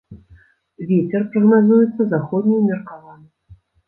Вецер прагназуецца заходні ўмеркаваны.